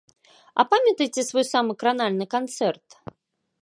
А памятаеце свой самы кранальны канцэрт?